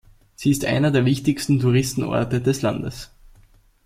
Sie ist einer der wichtigsten Touristenorte des Landes.